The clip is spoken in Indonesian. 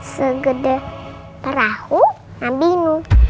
segede perahu ambil